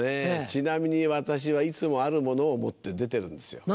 ちなみに私はいつもあるものを持って出てるんですよ。